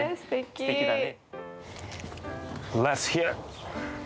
すてきだね。